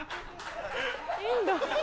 インド。